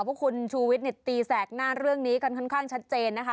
เพราะคุณชูวิทย์ตีแสกหน้าเรื่องนี้กันค่อนข้างชัดเจนนะคะ